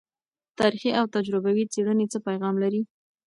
تاریخي او تجربوي څیړنې څه پیغام لري؟